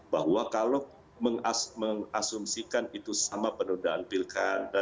bahwa kalau mengasumsikan itu sama penundaan pin kado